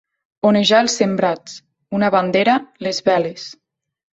Onejar els sembrats, una bandera, les veles.